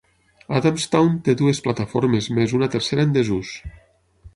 Adamstown té dues plataformes més una tercera en desús.